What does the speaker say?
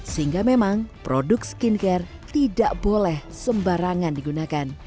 sehingga memang produk skincare tidak boleh sembarangan digunakan